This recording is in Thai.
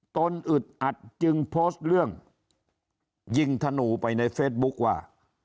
นอนอึดอัดจึงโพสต์เรื่องยิงธนูไปในเฟซบุ๊คว่า